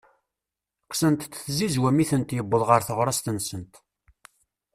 Qqsent-t tzizwa mi tent-yewweḍ ɣer teɣrast-nsent.